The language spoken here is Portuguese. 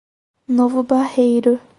Novo Barreiro